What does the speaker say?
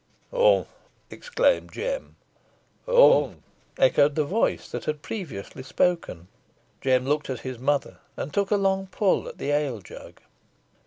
"Humph!" exclaimed Jem. "Humph!" echoed the voice that had previously spoken. Jem looked at his mother, and took a long pull at the ale jug.